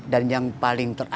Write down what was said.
dan yang paling menariknya